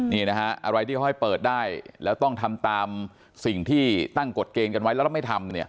นี่นะฮะอะไรที่เขาให้เปิดได้แล้วต้องทำตามสิ่งที่ตั้งกฎเกณฑ์กันไว้แล้วแล้วไม่ทำเนี่ย